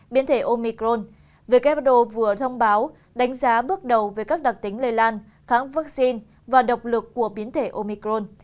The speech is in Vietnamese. biến thể omicron who vừa thông báo đánh giá bước đầu về các đặc tính lây lan kháng vaccine và độc lực của biến thể omicron